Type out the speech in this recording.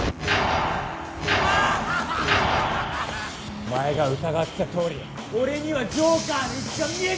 お前が疑ってたとおり俺にはジョーカーの位置が見えている。